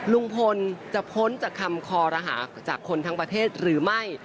ลุงพลจะพ้นจากคำคอรหาจากคนทั้งประเทศหรือไม่